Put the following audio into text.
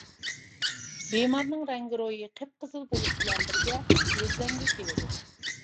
بىمارنىڭ رەڭگىرويى قىپقىزىل بولۇش بىلەن بىرگە ئېزىلەڭگۈ كېلىدۇ.